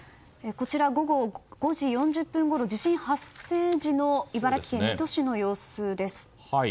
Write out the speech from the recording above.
こちら、午後５時４０分ごろ地震発生時の茨城県水戸市の様子です。